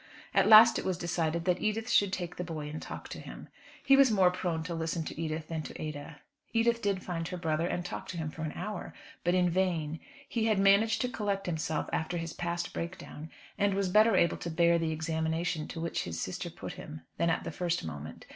At last it was decided that Edith should take the boy and talk to him. He was more prone to listen to Edith than to Ada. Edith did find her brother, and talked to him for an hour, but in vain. He had managed to collect himself after his past breakdown, and was better able to bear the examination to which his sister put him, than at the first moment.